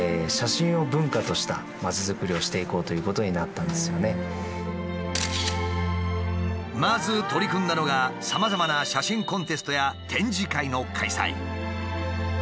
ここでまず取り組んだのがさまざまな写真コンテストや展示会の開催。